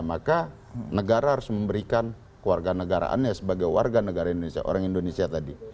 maka negara harus memberikan keluarga negaraannya sebagai warga negara indonesia orang indonesia tadi